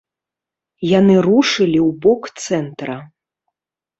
Яны рушылі ў бок цэнтра.